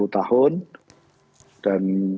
sepuluh tahun dan